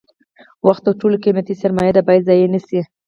وخت تر ټولو قیمتي سرمایه ده باید ضایع نشي.